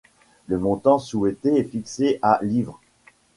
Le montant souhaité est fixé à livres.